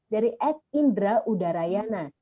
dari ed indra udharayana